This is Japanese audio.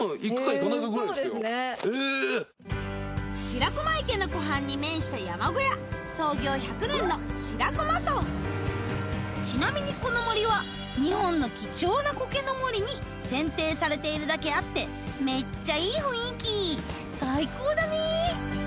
白駒池の湖畔に面した山小屋創業１００年の白駒荘ちなみにこの森は日本の貴重なコケの森に選定されているだけあってめっちゃいい雰囲気最高だね！